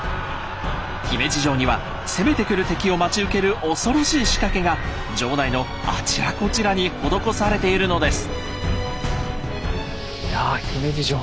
姫路城には攻めてくる敵を待ち受ける恐ろしい仕掛けが城内のあちらこちらに施されているのです。